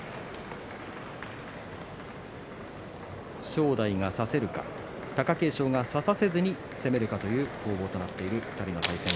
正代が差せるか貴景勝が差させずに攻めるかという攻防となっています。